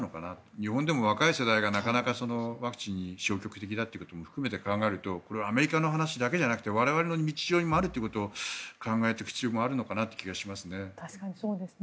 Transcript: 日本でも若い世代がなかなかワクチンに消極的だということも含めて考えるとこれはアメリカだけの話ではなくて我々の日常にもある話だと考える必要もあるかなという気がしますね。